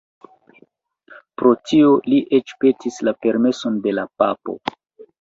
Pro tio li eĉ petis la permeson de la Papo.